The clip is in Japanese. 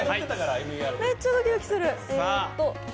めっちゃドキドキする。